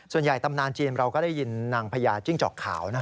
ส่วนใหญ่ตำนานจีนเราก็ได้ยินนางพญาจิ้งจอกขาวนะ